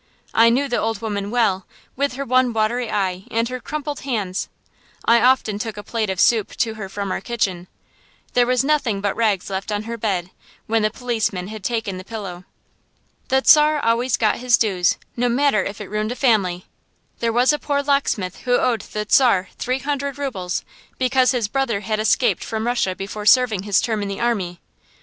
I knew the old woman well, with her one watery eye and her crumpled hands. I often took a plate of soup to her from our kitchen. There was nothing but rags left on her bed, when the policeman had taken the pillow. The Czar always got his dues, no matter if it ruined a family. There was a poor locksmith who owed the Czar three hundred rubles, because his brother had escaped from Russia before serving his term in the army.